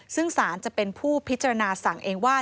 ซึ่งสารจะเป็นผู้พิจารณาสั่งเองว่า